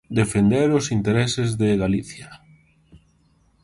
Defender os intereses de Galicia.